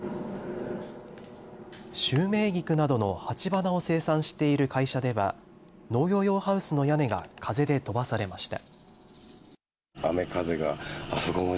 シュウメイギクなどの鉢花を生産している会社では農業用ハウスの屋根が風で飛ばされました。